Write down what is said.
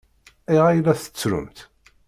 Ayɣer i la tettrumt?